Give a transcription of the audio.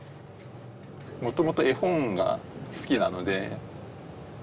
もともと絵本が好きなので。